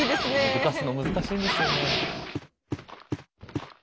動かすの難しいんですよね。